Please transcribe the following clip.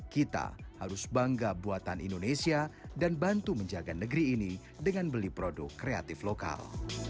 kita harus bangga buatan indonesia dan bantu menjaga negeri ini dengan beli produk kreatif lokal